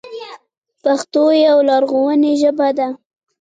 پښتو یوه لرغوني ژبه ده.